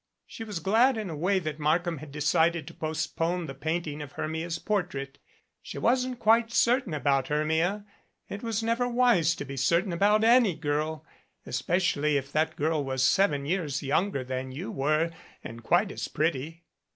She was glad in a way that Markham had decided to postpone the painting of Hermia's portrait. She wasn't quite certain about Hermia.. It was never wise to be certain about any girl especially if that girl was seven years younger than you were and quite as pretty.